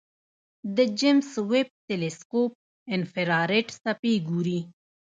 د جیمز ویب تلسکوپ انفراریډ څپې ګوري.